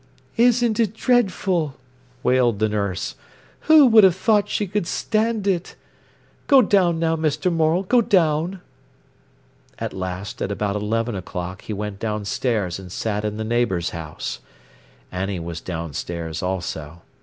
"Isn't it dreadful!" wailed the nurse. "Who would have thought she could stand it? Go down now, Mr. Morel, go down." At last, at about eleven o'clock, he went downstairs and sat in the neighbour's house. Annie was downstairs also.